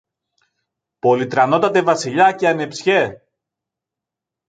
«Πολυτρανότατε Βασιλιά και ανεψιέ.